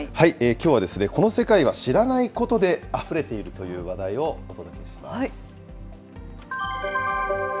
きょうは、この世界は知らないことであふれているという話題をお届けします。